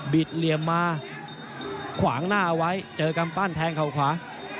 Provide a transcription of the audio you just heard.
เหลี่ยมมาขวางหน้าเอาไว้เจอกำปั้นแทงเขาขวา